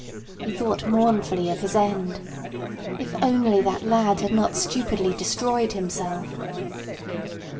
He thought mournfully of his end. If only that lad had not stupidly destroyed himself!